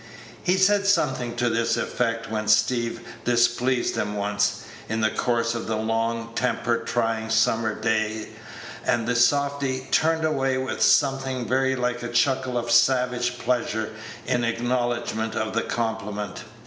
He said something to this effect when Steeve displeased him once, in the course of the long, temper trying summer's day, and the softy turned away with something very like a chuckle of savage pleasure in acknowledgment of the compliment.